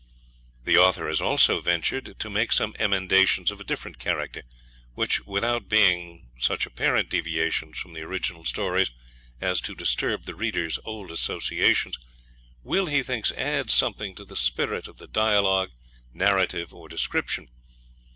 The Author has also ventured to make some emendations of a different character, which, without being such apparent deviations from the original stories as to disturb the reader's old associations, will, he thinks, add something to the spirit of the dialogue, narrative, or description.